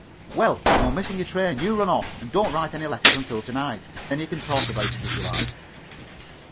"Well, you're missing your train. You run off, and don't write any letters until to night. Then you can talk about it, if you like."